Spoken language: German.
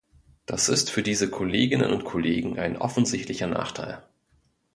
Das ist für diese Kolleginnen und Kollegen ein offensichtlicher Nachteil.